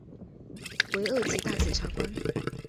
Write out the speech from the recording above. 为二级大检察官。